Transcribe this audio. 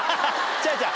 違う違う。